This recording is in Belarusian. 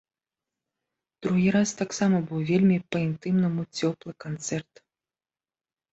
Другі раз таксама быў вельмі па-інтымнаму цёплы канцэрт.